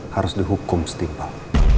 harus dihukum setimbal